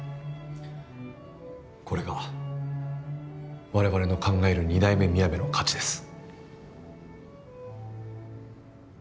これが我々の考える二代目みやべの価値です。